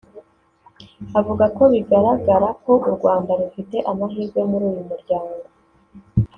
avuga ko bigaragara ko u Rwanda rufite amahirwe muri uyu muryango